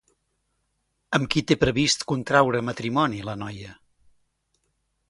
Amb qui té previst contraure matrimoni la noia?